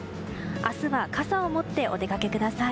明日は傘を持ってお出かけください。